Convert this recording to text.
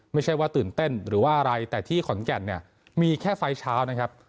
ไม่ใช่ว่าตื่นเต้นหรือว่าอะไรแต่ที่ขอนแก่นเนี่ยมีแค่ไฟล์เช้านะครับ